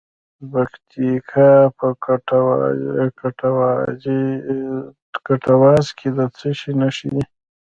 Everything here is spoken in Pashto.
د پکتیکا په کټواز کې د څه شي نښې دي؟